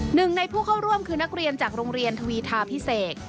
หนึ่งในผู้เข้าร่วมคือนักเรียนจากโรงเรียนทวีทาพิเศษ